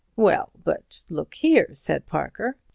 "Well, but look here!" said Parker.